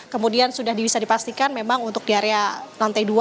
kemudian sudah bisa dipastikan memang untuk di area lantai dua